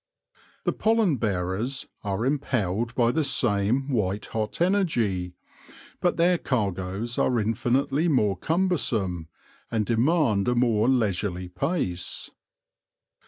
The pollen bearers are impelled by the same white hot energy ; but their cargoes are infinitely more cumbersome, and demand a more leisurely pace.